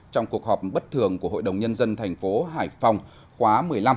trong cuộc họp bất thường của hội đồng nhân dân thành phố hải phòng khóa một mươi năm